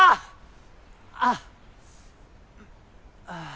ああ！